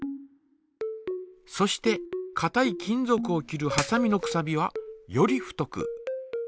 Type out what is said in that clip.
そしてかたい金ぞくを切るはさみのくさびはより太く。